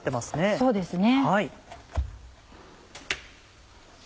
そうですね。